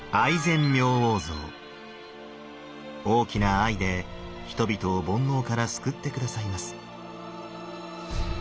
大きな愛で人々を煩悩から救って下さいます。